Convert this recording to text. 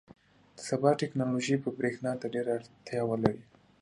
• د سبا ټیکنالوژي به برېښنا ته ډېره اړتیا ولري.